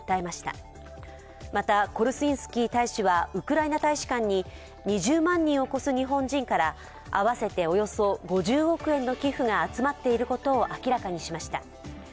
また、コルスンスキー大使はウクライナ大使館に２０万人を超す日本人から合わせておよそ５０億円の寄付が集まっていることを明らかにしました。